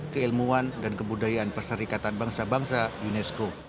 keilmuan dan kebudayaan perserikatan bangsa bangsa unesco